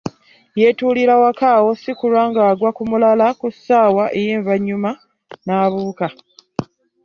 Yeetuulira waka awo sikulwa ng’agwa ku mulala ku ssaawa envannyuma n’abuuka.